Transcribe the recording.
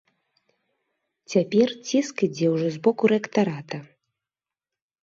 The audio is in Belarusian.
Цяпер ціск ідзе ўжо з боку рэктарата.